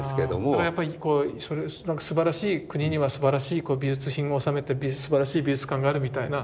だからやっぱりすばらしい国にはすばらしい美術品を納めたすばらしい美術館があるみたいな。